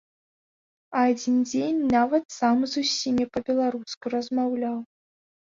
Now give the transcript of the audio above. А адзін дзень нават сам з усімі па-беларуску размаўляў.